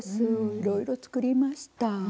いろいろ作りました。